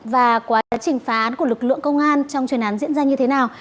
và quá trình phá án của lực lượng công an trong chuyên án diễn ra như thế nào